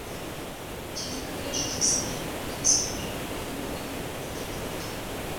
Я так і гляджу на сябе, як на звера, як на ваўка, напрыклад.